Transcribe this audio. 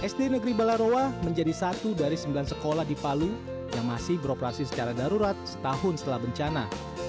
sd negeri balarowa menjadi satu dari sembilan sekolah di palu yang masih beroperasi secara darurat setahun setelah bencana